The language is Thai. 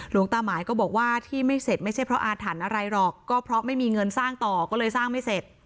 หลวงตาหมายก็บอกว่าที่ไม่เสร็จไม่ใช่เพราะอาถรรพ์อะไรหรอกก็เพราะไม่มีเงินสร้างต่อก็เลยสร้างไม่เสร็จ